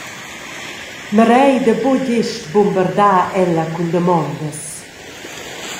Mirei da buca gest bumbardar ella cun damondas.